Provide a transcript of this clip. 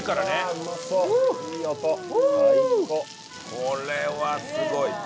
これはすごい！